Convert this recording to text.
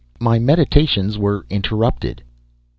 My meditations were interrupted.